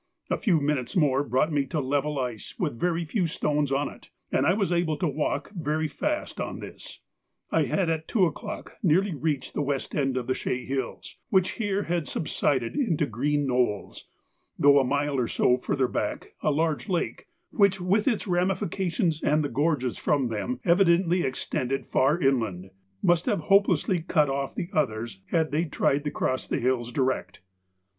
A few minutes more brought me to level ice with very few stones on it, and as I was able to walk very fast on this, I had at two o'clock nearly reached the west end of the Chaix Hills, which here had subsided into green knolls, though a mile or so further back a large lake, which with its ramifications and the gorges from them evidently extended far inland, must have hopelessly cut off the others had they tried to cross the hills direct.